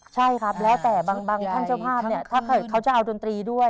ใช่ครับแล้วแต่บางท่านเจ้าภาพเนี่ยถ้าเกิดเขาจะเอาดนตรีด้วย